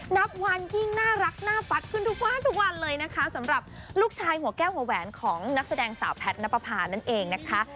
นับวันยิ่งน่ารักน่าฟัดขึ้นทุกวันทุกวันเลยนะคะสำหรับลูกชายหัวแก้วหัวแหวนของนักแสดงสาวแพทย์นับประพานั่นเองนะคะ